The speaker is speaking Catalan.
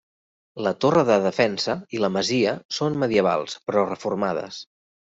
La torre de defensa i la masia són medievals, però reformades.